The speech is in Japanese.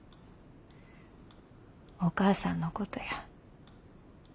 お母さんのことや。